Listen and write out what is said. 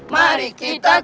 mari kita kerja